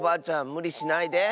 むりしないで。